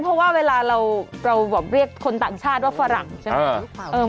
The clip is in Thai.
เพราะว่าเวลาเราแบบเรียกคนต่างชาติว่าฝรั่งใช่ไหม